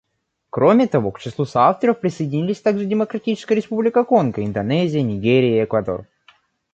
Кроме того, к числу соавторов присоединились также Демократическая Республика Конго, Индонезия, Нигерия и Эквадор.